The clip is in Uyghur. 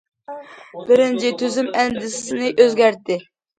بىرىنچى، تۈزۈم ئەندىزىسىنى ئۆزگەرتتى.